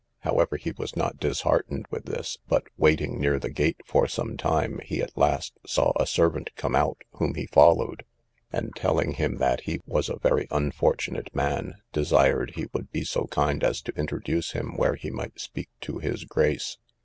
However, he was not disheartened with this, but waiting near the gate for some time, he at last saw a servant come out, whom he followed, and, telling him that he was a very unfortunate man, desired he would be so kind as to introduce him where he might speak to his grace.